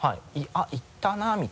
あっいたなみたいな。